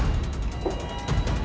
harus ada yang berjaga di istana